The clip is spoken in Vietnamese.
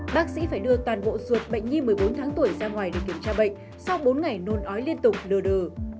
bác sĩ phải đưa toàn bộ ruột bệnh nhi một mươi bốn tháng tuổi ra ngoài để kiểm tra bệnh sau bốn ngày nôn ói liên tục lừa đờ